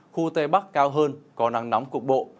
khu tây bắc cao hơn có nắng nóng cục bộ